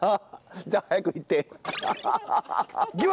じゃあ早く行って。